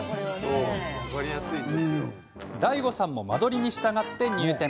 ＤＡＩＧＯさんも間取りに従って入店。